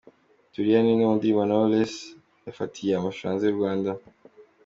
Abanyarwanda bavuga ko “Uwanze kumvira Se na Nyina yumviye ijeri”.